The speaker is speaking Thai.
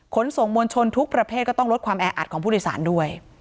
ขนส่งมวลชนทุกประเภทก็ต้องลดความแออัดของผู้โดยสารด้วย